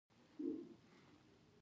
ښکلی بدن ښه دی.